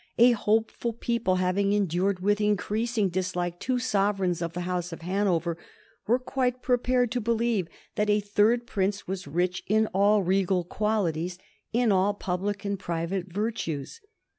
A hopeful people, having endured with increasing dislike two sovereigns of the House of Hanover, were quite prepared to believe that a third prince was rich in all regal qualities; in all public and private virtues.